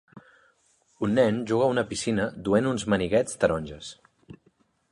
Un nen juga a una piscina duent uns maniguets taronges.